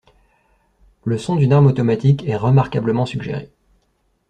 Le son d'une arme automatique est remarquablement suggéré.